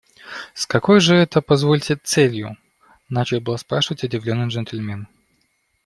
С какой же это, позвольте, целью? – начал было спрашивать удивленный джентльмен.